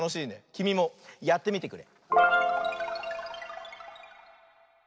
きみもやってみてくれ！